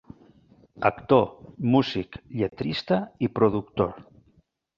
Actor, músic, lletrista i productor.